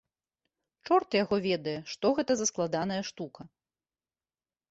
Чорт яго ведае, што гэта за складаная штука.